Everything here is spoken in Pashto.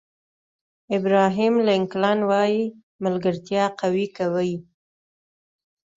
ابراهیم لینکلن وایي ملګرتیا قوي کوي.